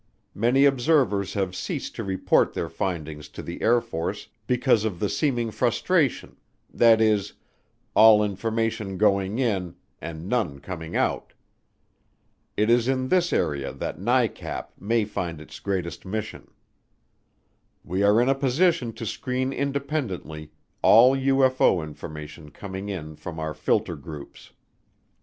Many observers have ceased to report their findings to the Air Force because of the seeming frustration that is, all information going in, and none coming out. It is in this area that NICAP may find its greatest mission. "We are in a position to screen independently all UFO information coming in from our filter groups.